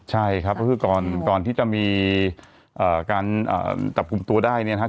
ใช่ครับก็คือก่อนที่จะมีการจับกลุ่มตัวได้เนี่ยนะครับ